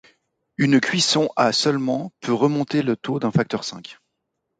Une cuisson à seulement peut remonter le taux d'un facteur cinq.